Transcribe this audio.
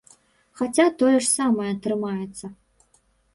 Хаця тое ж самае атрымаецца.